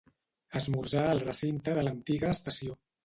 Esmorzar al recinte de l'antiga estació.